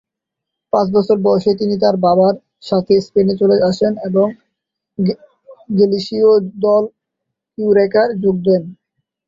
পাঁচ বছর বয়সে তিনি তার বাবার সাথে স্পেনে চলে আসেন এবং গালিসীয় দল ইউরেকায় যোগ দেন।